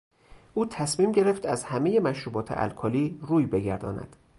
او تصمیم گرفت از همهی مشروبات الکلی روی بگرداند.